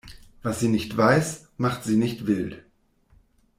Was sie nicht weiß, macht sie nicht wild.